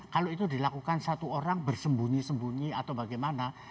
kalau itu dilakukan satu orang bersembunyi sembunyi atau bagaimana